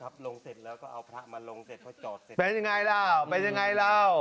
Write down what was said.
เป็นอย่างไรแล้ว